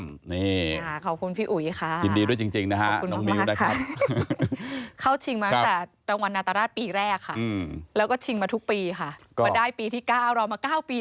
มาได้ปีที่๙เรามา๙ปีแล้วนะค่ะ